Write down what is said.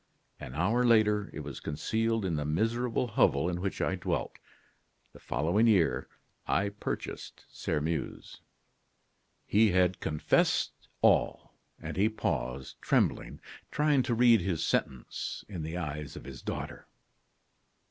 An hour later, it was concealed in the miserable hovel in which I dwelt. The following year I purchased Sairmeuse." He had confessed all; and he paused, trembling, trying to read his sentence in the eyes of his daughter.